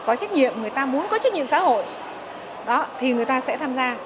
người ta có trách nhiệm người ta muốn có trách nhiệm xã hội thì người ta sẽ tham gia